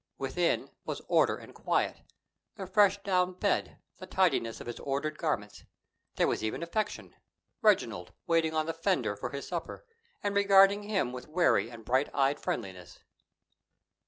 Within was order and quiet, the fresh down bed, the tidiness of his ordered garments. There was even affection Reginald, waiting on the fender for his supper, and regarding him with wary and bright eyed friendliness.